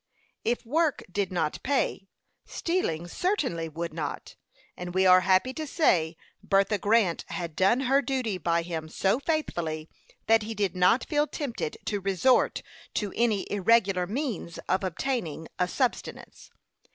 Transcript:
If work did not pay, stealing certainly would not; and we are happy to say, Bertha Grant had done her duty by him so faithfully, that he did not feel tempted to resort to any irregular means of obtaining a subsistence.